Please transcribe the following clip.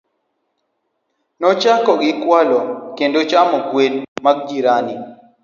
Nochako gi kwalo kendo chamo gwen mag jirani.